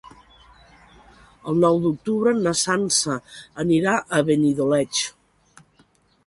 El nou d'octubre na Sança anirà a Benidoleig.